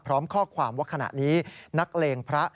พร้อมข้อความว่าขณะนี้นักเลงพระ